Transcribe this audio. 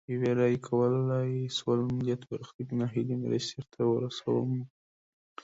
یوي رایې کولای سول ملت برخلیک نا هیلي مسیر ته ورسم کړي.